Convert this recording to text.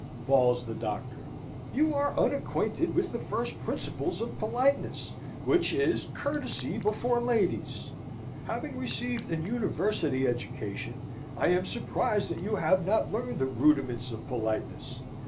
bawls the Doctor. "You are unacquainted with the first principles of politeness, which is courtesy before ladies. Having received an university education, I am surprised that you have not learned the rudiments of politeness.